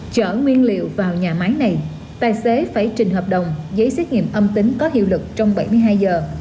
chở nguyên liệu vào nhà máy này tài xế phải trình hợp đồng giấy xét nghiệm âm tính có hiệu lực trong bảy mươi hai giờ